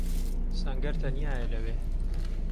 سەنگەر تەنیایە لەوێ.